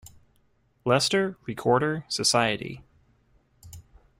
Leicester Recorder Society.